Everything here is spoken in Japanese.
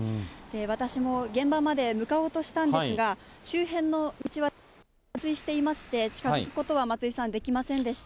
私も現場まで向かおうとしたんですが、周辺の道は冠水していまして、近づくことはまついさん、できませんでした。